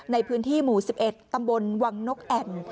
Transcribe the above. ในพื้นที่หมู่๑๑ตำบลวังนกแอ่น